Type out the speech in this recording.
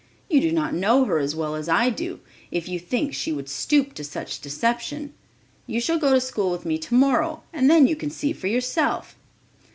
You do not know her as well as I do, if you think she would stoop to such deception. You shall go to school with me tomorrow, and then you can see for yourself."